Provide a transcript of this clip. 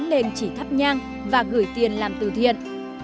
nên chỉ thắp nhang và gửi tiền làm từ thiện